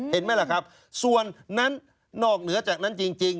เห็นไหมล่ะครับส่วนนั้นนอกเหนือจากนั้นจริง